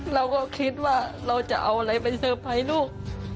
เราก็คิดว่าเราจะเอาอะไรไปเซอร์ไพรส์ลูก